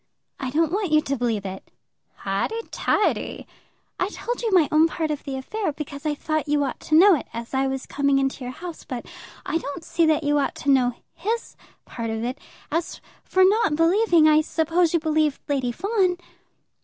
"I don't want you to believe it." "Highty, tighty!" "I told you my own part of the affair, because I thought you ought to know it as I was coming into your house. But I don't see that you ought to know his part of it. As for not believing, I suppose you believed Lady Fawn?"